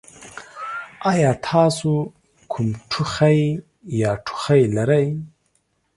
ایا تاسو کوم ټوخی یا ټوخی لرئ؟